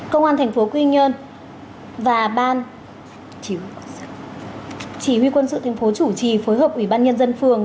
công an tp quy nhơn và ban chỉ huy quân sự tp chủ trì phối hợp ủy ban nhân dân phường